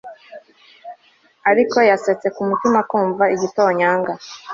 Ariko yasetse kumutima kumva igitonyanga